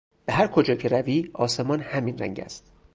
به هر کجا که روی آسمان همین رنگ است.